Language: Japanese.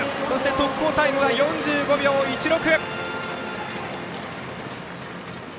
速報タイムは４５秒１６。